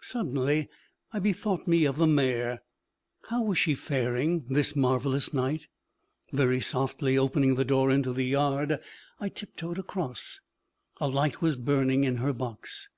Suddenly I bethought me of the mare. How was she faring, this marvelous night? Very softly opening the door into the yard, I tiptoed across. A light was burning in her box.